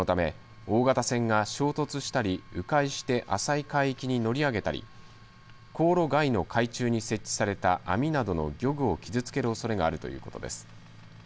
このため大型船が衝突したりう回して浅い海域に乗り上げたり航路外の海中に設置された網などの漁具を傷つけるおそれがあるということです。